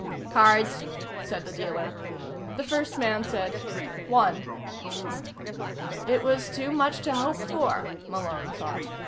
"Cards?" said the dealer. The first man said: "One." It was too much to hope for, Malone thought.